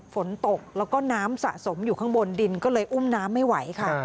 ฝนตกแล้วก็น้ำสะสมอยู่ข้างบนดินก็เลยอุ้มน้ำไม่ไหวค่ะ